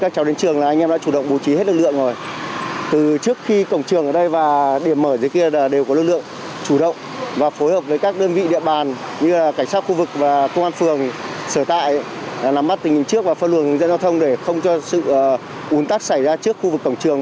sở tại là nắm mắt tình hình trước và phân luồng dẫn giao thông để không cho sự uốn tắt xảy ra trước khu vực cổng trường